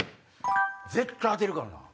絶対当てるからな！